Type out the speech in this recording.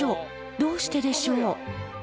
どうしてでしょう？